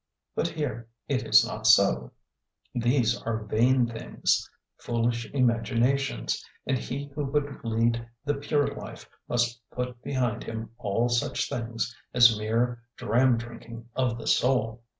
But here it is not so. These are vain things, foolish imaginations, and he who would lead the pure life must put behind him all such things as mere dram drinking of the soul.